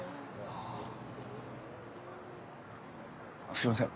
すみません